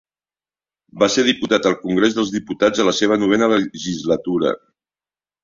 Va ser diputat al Congrés dels Diputats a la seva novena legislatura.